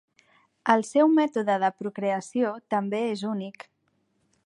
El seu mètode de procreació també és únic.